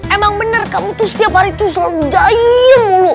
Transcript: emang bener kamu tuh setiap hari tuh selalu jair lu